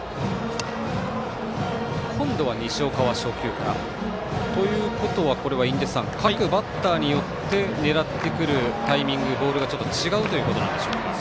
西岡は初球からということは各バッターによって狙ってくるタイミングボールがちょっと違うということなんでしょうか。